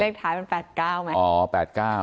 ท้ายมัน๘๙ไหม